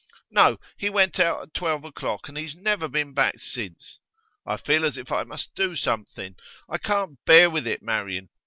'No, he went out at twelve o'clock, and he's never been back since. I feel as if I must do something; I can't bear with it, Marian.